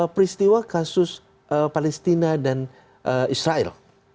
peristiwa kasus palestina dan israel